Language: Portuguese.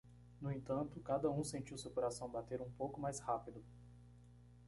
No entanto, cada um sentiu seu coração bater um pouco mais rápido.